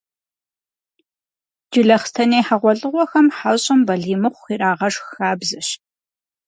Джылэхъстэней хьэгъуэлӏыгъуэхэм хьэщӏэм «балий мыхъу» ирагъэшх хабзэщ.